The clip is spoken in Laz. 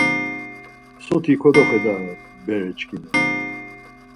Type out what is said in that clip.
Soti kodoxedare, bereçkimi!.